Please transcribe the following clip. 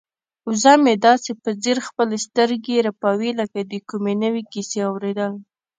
وزه مې داسې په ځیر خپلې سترګې رپوي لکه د کومې نوې کیسې اوریدل.